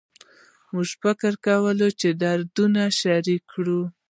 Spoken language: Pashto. موږ فکر کوو چې دردونه شریک کړو